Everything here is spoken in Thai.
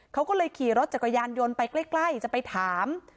เขาก็เลยขี่รถจักรยานยนต์ไปใกล้จะไปถาม